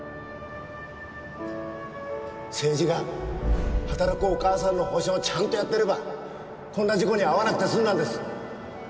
政治が働くお母さんの保障をちゃんとやってればこんな事故には遭わなくて済んだんです。